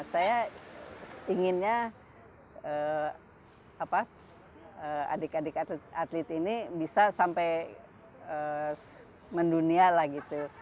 saya inginnya adik adik atlet ini bisa sampai mendunia lah gitu